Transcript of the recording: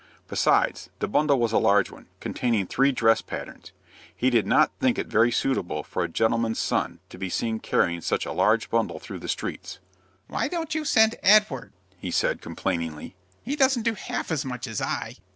Besides, the bundle was a large one, containing three dress patterns. He did not think it very suitable for a gentleman's son to be seen carrying such a large bundle through the streets. "Why don't you send Edward?" he said, complainingly. "He doesn't do half as much as I."